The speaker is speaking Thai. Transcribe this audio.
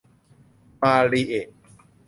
มาริเอะ